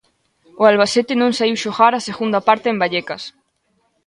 O Albacete non saíu xogar a segunda parte en Vallecas.